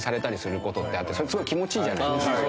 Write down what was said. それ気持ちいいじゃないですか。